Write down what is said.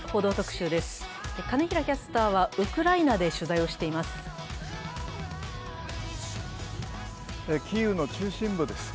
金平キャスターはウクライナで取材をしています。